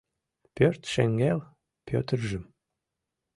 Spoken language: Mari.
Пӧрт шеҥгел Пӧтыржым